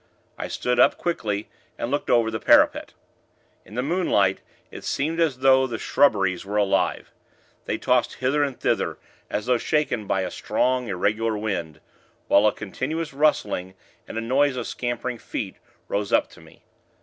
I stood up, quickly, and looked over the parapet. In the moonlight, it seemed as though the shrubberies were alive. They tossed hither and thither, as though shaken by a strong, irregular wind; while a continuous rustling, and a noise of scampering feet, rose up to me.